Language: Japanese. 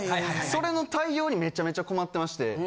それの対応にめちゃめちゃ困ってまして。